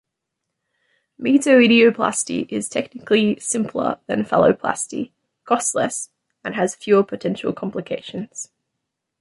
Metoidioplasty is technically simpler than phalloplasty, costs less, and has fewer potential complications.